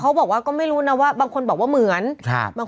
ถูกต้องถูกต้องถูกต้องถูกต้องถูกต้องถูกต้องถูกต้อง